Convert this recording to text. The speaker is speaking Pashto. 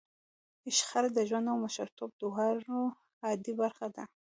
شخړه د ژوند او مشرتوب دواړو عادي برخه ده.